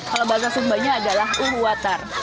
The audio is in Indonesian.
kalau bahasa sumbanya adalah uhu atar